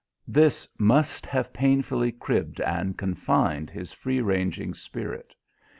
This must have painfully cribbed and confined his free ranging spirit.